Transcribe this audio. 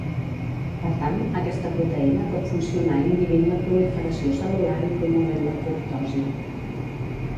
Per tant, aquesta proteïna pot funcionar inhibint la proliferació cel·lular i promovent l’apoptosi.